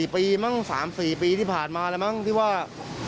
๔ปีมั้ง๓๔ปีที่ผ่านมาแล้วมั้งที่ว่า